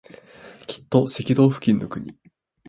きっと赤道付近の国